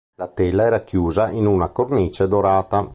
La tela è racchiusa in una cornice dorata.